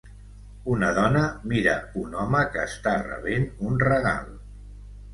Una dona mira un home que està rebent un regal.